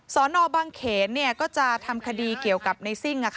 สอนอบางเขตเนี่ยก็จะทำคดีเกี่ยวกับนายซิ่ง